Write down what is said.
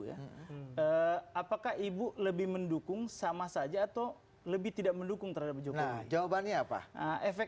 ya apakah ibu lebih mendukung sama saja atau lebih tidak mendukung terhadap jokowi jawabannya apa efek